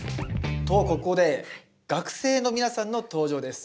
とここで学生の皆さんの登場です。